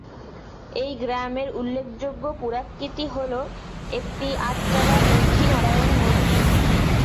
এই গ্রামের উল্লেখযোগ্য পুরাকীর্তি হল একটি আটচালা লক্ষ্মীনারায়ণ মন্দির।